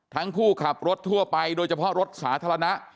ผู้ขับรถทั่วไปโดยเฉพาะรถสาธารณะ